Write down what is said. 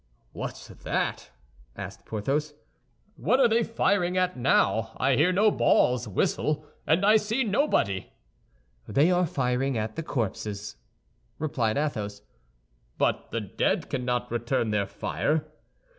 "What's that?" asked Porthos, "what are they firing at now? I hear no balls whistle, and I see nobody!" "They are firing at the corpses," replied Athos. "But the dead cannot return their fire."